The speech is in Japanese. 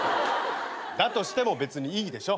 だとしても別にいいでしょ。